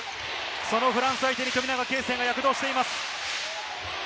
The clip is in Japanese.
そのフランス相手に富永啓生が躍動しています。